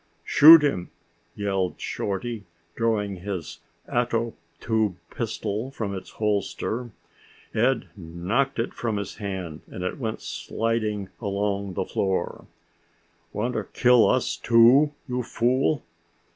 "Shoot him!" yelled Shorty, drawing his ato tube pistol from its holster. Ed knocked it from his hand, and it went sliding along the floor. "Want to kill us, too, you fool?"